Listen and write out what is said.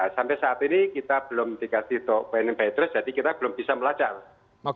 sampai saat ini kita belum dikasih topen peter jadi kita belum bisa melacak